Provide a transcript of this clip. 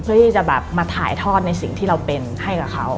เพื่อที่จะแบบมาถ่ายทอดในสิ่งที่เราเป็นให้กับเขา